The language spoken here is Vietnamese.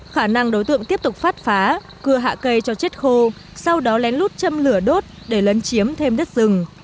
khả năng đối tượng tiếp tục phát phá cưa hạ cây cho chết khô sau đó lén lút châm lửa đốt để lấn chiếm thêm đất rừng